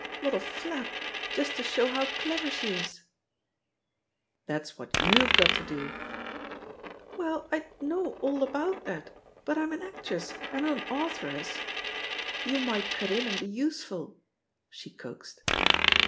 Lot of flap, [just to show how clever she is I'* "That's what y(m*ve got to doT* ^"Well, I know all about that, but I'm an actress, I'm not an authoress. ••• You might cut in and be useful," she coaxed.